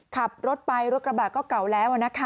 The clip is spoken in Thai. ขับรถไปรถกระบะก็เก่าแล้ว